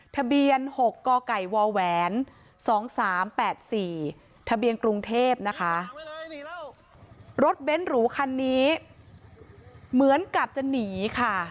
ทะเบียน๖กไก่วแหวน๒๓๘๔ทะเบียนกรุงเทพนะคะรถเบ้นหรูคันนี้เหมือนกับจะหนีค่ะ